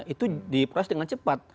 itu diproses dengan cepat